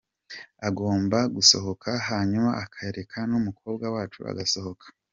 Agomba gusohoka hanyuma akareka n’umukobwa wacu agasohoka.